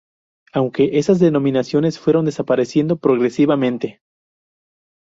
Aunque esas denominaciones fueron desapareciendo progresivamente.